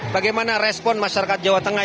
bagaimana respon masyarakat jawa tengah